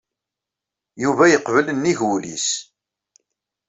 Yuba yeqbel nnig wul-nnes.